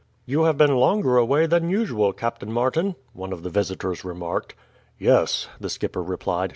"You have been longer away than usual, Captain Martin," one of the visitors remarked. "Yes," the skipper replied.